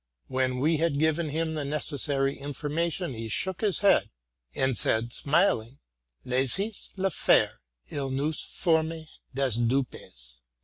When we had given him the necessary information, he shook his head, and said, smiling, '' Laissez le fuire, il nous forme des dupes.